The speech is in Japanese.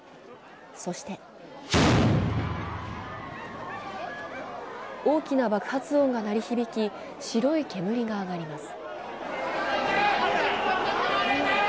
そして大きな爆発音が鳴り響き白い煙が上がります。